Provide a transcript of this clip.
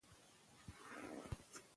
ښځه او نر برابر دي